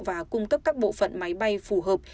và cung cấp các bộ phận máy bay phù hợp